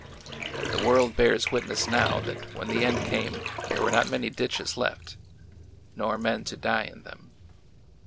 The world bears witness now that when the end came there were not many ditches left — nor men to die in them.